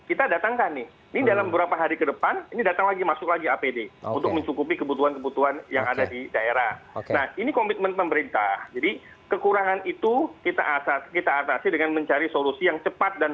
ini komitmen pemerintah jadi kekurangan itu kita asas kita atasi dengan mencari solusi yang cepat dan